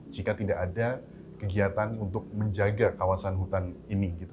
jika tidak ada kegiatan untuk menjaga kawasan hutan ini gitu